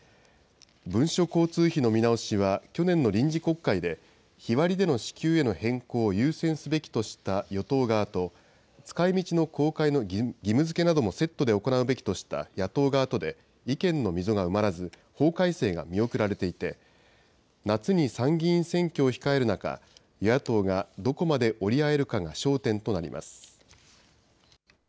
文書交通費の見直しは去年の臨時国会で、日割りでの支給への変更を優先すべきとした与党側と、使いみちの公開の義務づけなどもセットで行うべきとした野党側とで意見の溝が埋まらず法改正が見送られていて、夏に参議院選挙を控える中、与野党がどこまで折り合えるかが焦点となります。